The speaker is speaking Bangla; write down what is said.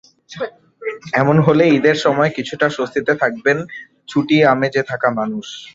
এমন হলে ঈদের সময় কিছুটা স্বস্তিতে থাকবেন ছুটির আমেজে থাকা মানুষ।